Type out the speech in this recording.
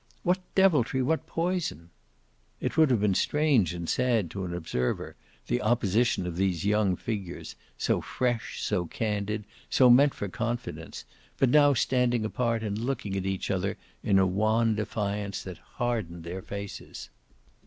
"What deviltry, what poison?" It would have been strange and sad to an observer, the opposition of these young figures, so fresh, so candid, so meant for confidence, but now standing apart and looking at each other in a wan defiance that hardened their faces.